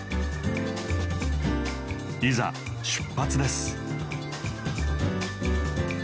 いざ出発です。